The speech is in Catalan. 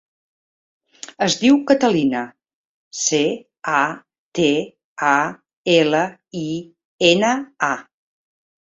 Es diu Catalina: ce, a, te, a, ela, i, ena, a.